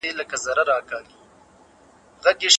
هغه مادي پرمختګ چي له علمي بډاينې راځي، تلپاتې وي.